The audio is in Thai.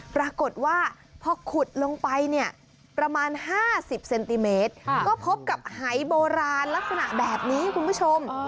ปรากฏว่าพอขุดลงไปเนี่ยประมาณ๕๐เซนติเมตรก็พบกับหายโบราณลักษณะแบบนี้คุณผู้ชม